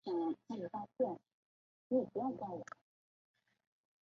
马来西亚铁路运输系统分布于马来西亚半岛和东马沙巴州两个地区。